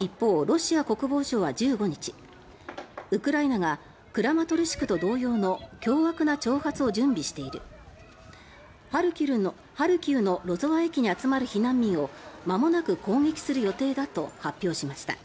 一方、ロシア国防省は１５日ウクライナがクラマトルシクと同様の凶悪な挑発を準備しているハルキウのロゾワ駅に集まる避難民をまもなく攻撃する予定だと発表しました。